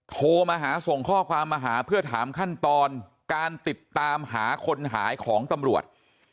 โทรมาหาส่งข้อความมาหาเพื่อถามขั้นตอนการติดตามหาคนหายของตำรวจ